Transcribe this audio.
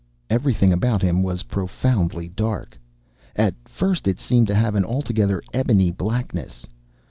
Everything about him was profoundly dark: at first it seemed to have an altogether ebony blackness.